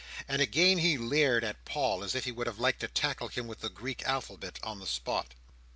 And again he leered at Paul, as if he would have liked to tackle him with the Greek alphabet, on the spot.